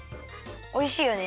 おいしいよね。